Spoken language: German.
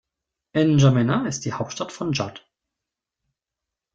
N’Djamena ist die Hauptstadt von Tschad.